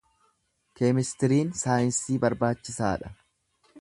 Keemistiriin saayinsii barbaachisaa dha.